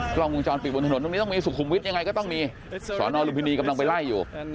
กล้องวงจรปิดบนถนนตรงนี้ต้องมีสุขุมวิทย์ยังไงก็ต้องมีสอนอลุมพินีกำลังไปไล่อยู่